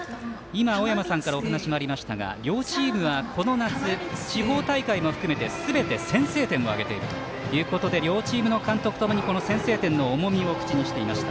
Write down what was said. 青山さんからもお話がありましたが両チームはこの夏地方大会も含めてすべて先制点を挙げているということで両チームの監督ともに先制点の重みを口にしていました。